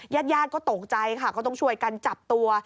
ญาติญาติก็ตกใจค่ะก็ต้องช่วยกันจับตัว